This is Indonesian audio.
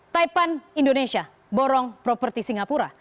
taipan indonesia borong properti singapura